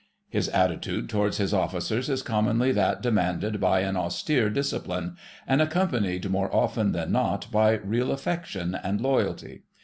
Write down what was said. His attitude towards his officers is commonly that demanded by an austere discipline, and accompanied more often than not by real affection and loyalty.